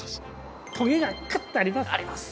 トゲがくっとあります。